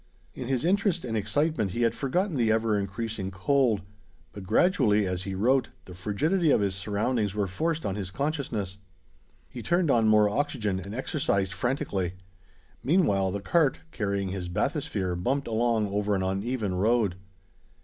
In his interest and excitement, he had forgotten the ever increasing cold; but gradually, as he wrote, the frigidity of his surroundings was forced on his consciousness. He turned on more oxygen, and exercised frantically. Meanwhile the cart, carrying his bathysphere, bumped along over an uneven road.